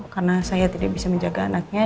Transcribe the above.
karena saya tidak bisa menjaga anaknya